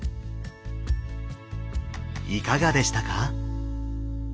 いかがでしたか？